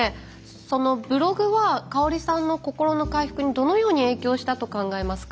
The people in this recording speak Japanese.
そのブログは香さんの心の回復にどのように影響したと考えますか？